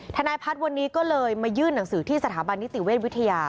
ทนายพัฒน์วันนี้ก็เลยมายื่นหนังสือที่สถาบันนิติเวชวิทยา